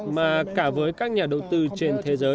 mà cả với các nhà đầu tư trên thế giới